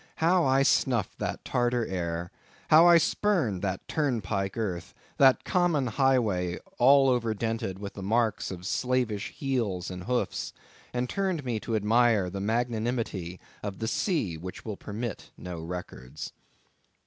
How I snuffed that Tartar air!—how I spurned that turnpike earth!—that common highway all over dented with the marks of slavish heels and hoofs; and turned me to admire the magnanimity of the sea which will permit no records.